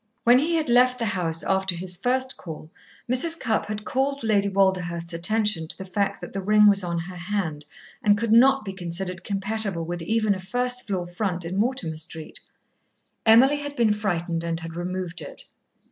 When he had left the house after his first call, Mrs. Cupp had called Lady Walderhurst's attention to the fact that the ring was on her hand, and could not be considered compatible with even a first floor front in Mortimer Street. Emily had been frightened and had removed it.